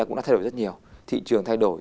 cũng đã thay đổi rất nhiều thị trường thay đổi